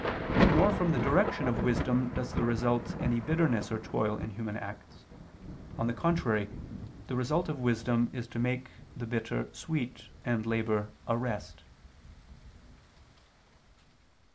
Nor from the direction of wisdom does there result any bitterness or toil in human acts; on the contrary the result of wisdom is to make the bitter sweet, and labor a rest.